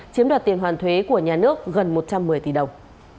chiếm đoạt tiền hoàn thuế của nhà nước gần một trăm một mươi tỷ đồng